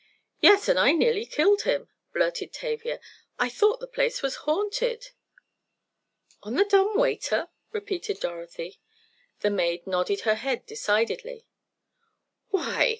"Yes, and I nearly killed him," blurted Tavia. "I thought the place was haunted!" "On the dumb waiter?" repeated Dorothy. The maid nodded her head decidedly. "Why!"